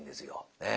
ええ。